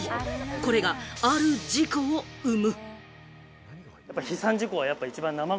これがある事故を生む。